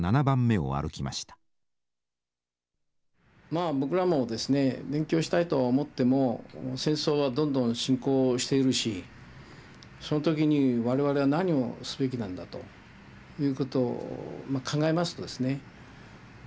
まあ僕らもですね勉強したいとは思っても戦争はどんどん進行しているしその時に我々は何をすべきなんだということをまあ考えますとですね